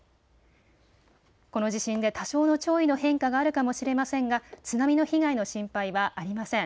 この地震で多少の潮位の変化があるかもしれませんが津波の被害の心配はありません。